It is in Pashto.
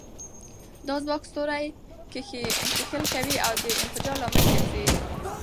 دا ځواک ستوري کښیکښل کوي او د انفجار لامل ګرځي.